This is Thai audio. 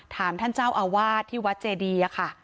ท่านเจ้าอาวาสที่วัดเจดีค่ะ